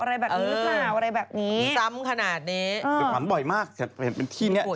ที่หนูไปทำอะไรเปล่าไปถามสิ